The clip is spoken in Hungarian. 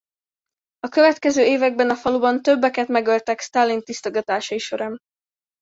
A következő években a faluban többeket megöltek Sztálin tisztogatásai során.